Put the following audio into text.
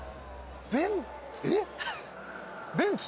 ベンえっベンツ？